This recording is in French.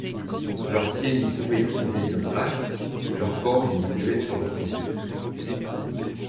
Leurs pieds n'y pouvaient y trouver une place, leur corps n'y pouvait se reposer.